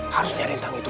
harus nyari tang itu